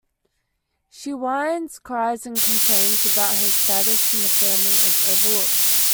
She whines, cries and complains about her status in the family as overlooked.